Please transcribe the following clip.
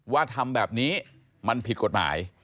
ว่าทำแบบนี้มันผิดกฎหมาย